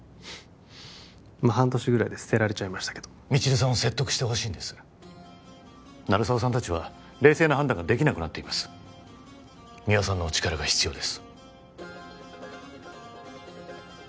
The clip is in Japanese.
まあ半年ぐらいで捨てられちゃいましたけど未知留さんを説得してほしいんです鳴沢さん達は冷静な判断ができなくなっています三輪さんのお力が必要です